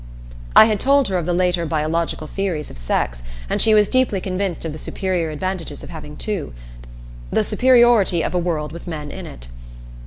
I had told her of the later biological theories of sex, and she was deeply convinced of the superior advantages of having two, the superiority of a world with men in it.